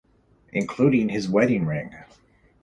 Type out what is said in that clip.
Including his wedding ring.